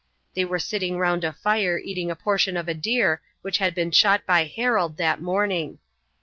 They were sitting round a fire eating a portion of a deer which had been shot by Harold that morning.